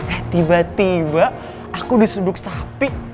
eh tiba tiba aku disuduk sapi